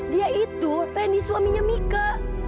dia itu penny suaminya mika